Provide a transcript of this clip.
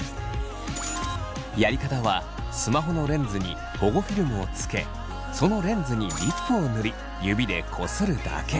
やり方はスマホのレンズに保護フィルムをつけそのレンズにリップを塗り指でこするだけ。